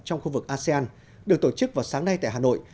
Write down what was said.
trong khu vực asean được tổ chức vào sáng nay tại hà nội